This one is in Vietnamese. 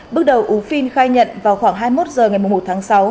bước đầu ú phiên khai nhận vào khoảng hai mươi một h ngày một tháng sáu